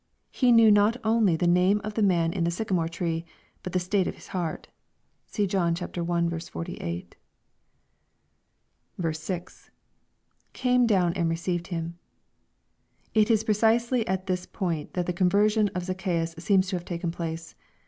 He knew not only the name of the man in the sycamore tree, but the state of his heart. (See John i. 48.) 6. — [Came down and received Him^ It is precisely at this point that the conversion of Zacchaeus seems to have taken place.